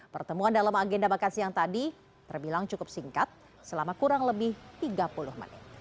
pertemuan dalam agenda makan siang tadi terbilang cukup singkat selama kurang lebih tiga puluh menit